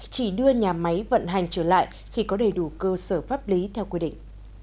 chỉ đưa nhà máy vận hành trở lại khi có đầy đủ cơ sở pháp lý theo quy định